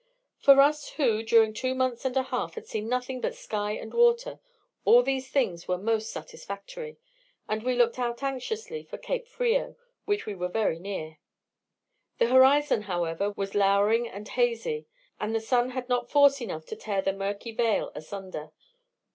For us, who, during two months and a half, had seen nothing but sky and water, all these things were most satisfactory; and we looked out anxiously for Cape Frio, which we were very near. The horizon, however, was lowering and hazy, and the sun had not force enough to tear the murky veil asunder.